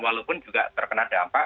walaupun juga terkena dampak